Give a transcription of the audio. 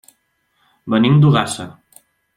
Venim d'Ogassa.